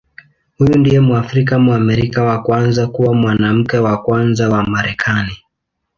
Huyu ndiye Mwafrika-Mwamerika wa kwanza kuwa Mwanamke wa Kwanza wa Marekani.